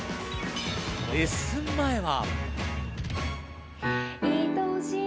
レッスン前は。